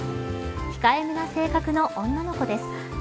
控えめな性格の女の子です。